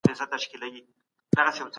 څېړني د حقایقو د موندلو یوازینۍ لاره ده.